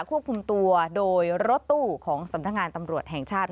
ควบคุมตัวโดยรถตู้ของสำนักงานตำรวจแห่งชาติ